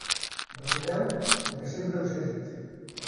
Recordeu el que sempre us he dit.